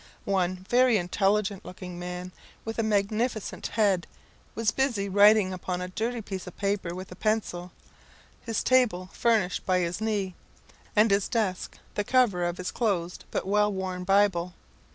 One very intelligent looking man, with a magnificent head, was busy writing upon a dirty piece of paper with a pencil, his table furnished by his knee, and his desk the cover of his closed but well worn Bible.